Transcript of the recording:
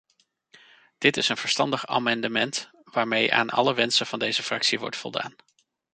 Dit is een verstandig amendement waarmee aan alle wensen van deze fractie wordt voldaan.